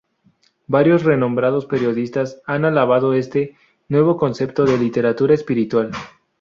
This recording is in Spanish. Varios renombrados periodistas han alabado este "nuevo concepto de literatura espiritual".